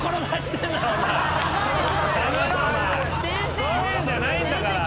そういうんじゃないんだから。